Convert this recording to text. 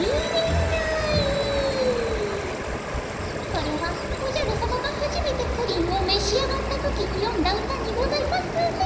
それはおじゃるさまがはじめてプリンをめし上がった時によんだうたにございますね。